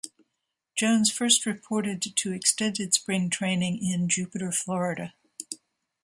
Jones first reported to extended spring training in Jupiter, Florida.